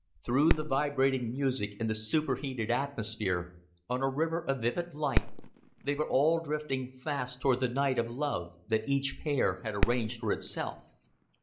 Through the vibrating music and the super heated atmosphere, on a river of vivid light, they were all drifting fast toward the night of love that each pair had arranged for itself.